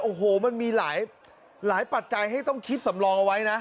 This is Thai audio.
โอ้โหมันมีหลายปัจจัยให้ต้องคิดสำรองเอาไว้นะ